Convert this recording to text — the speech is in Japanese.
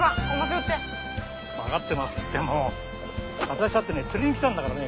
私だってね釣りに来たんだからね。